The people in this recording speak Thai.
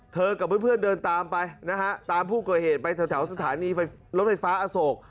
กับเพื่อนเดินตามไปนะฮะตามผู้ก่อเหตุไปแถวสถานีรถไฟฟ้าอโศก